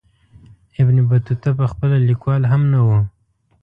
ابن بطوطه پخپله لیکوال هم نه وو.